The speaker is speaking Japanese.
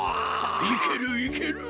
いけるいける！